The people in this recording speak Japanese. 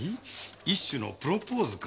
一種のプロポーズか？